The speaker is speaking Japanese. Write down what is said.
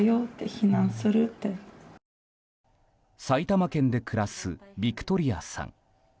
埼玉県で暮らすヴィクトリアさん。